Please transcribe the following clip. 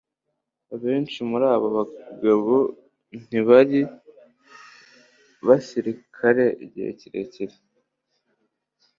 Abenshi muri abo bagabo ntibari basirikare igihe kirekire.